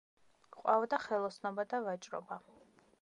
ყვაოდა ხელოსნობა და ვაჭრობა.